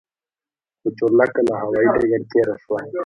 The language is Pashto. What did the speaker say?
خو چورلکه له هوايي ډګر تېره شوه.